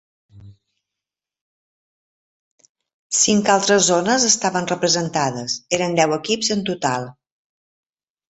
Cinc altres zones estaven representades, eren deu equips en total.